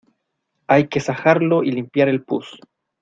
hay que sajarlo y limpiar el pus.